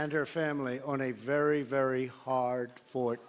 dan saya mengucapkan kebahagiaan kepada dia dan keluarganya